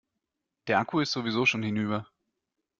Der Akku ist sowieso schon hinüber.